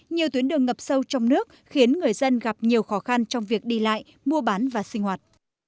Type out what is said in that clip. nhiều tuyến đường ngập sâu trong nước khiến người dân gặp nhiều khó khăn trong việc đi lại mua bán và sinh hoạt